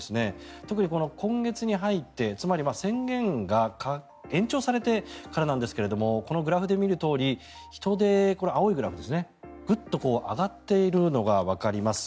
特に今月に入ってつまり宣言が延長されてからなんですけどこのグラフで見るとおり人出、青いグラフがグッと上がっているのがわかります。